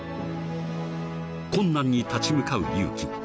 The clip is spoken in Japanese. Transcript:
［困難に立ち向かう勇気］